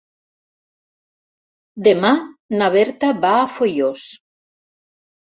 Demà na Berta va a Foios.